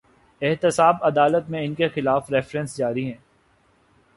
احتساب عدالت میں ان کے خلاف ریفرنس جاری ہیں۔